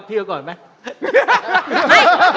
พี่เอาก่อนไหม